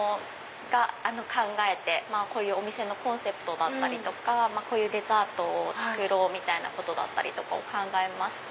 こういうお店のコンセプトだったりこういうデザートを作ろうみたいなことを考えまして。